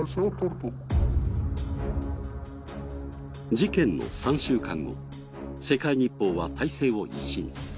事件の３週間後、「世界日報」は体制を一新。